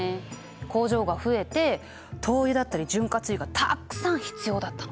工場が増えて灯油だったり潤滑油がたくさん必要だったの。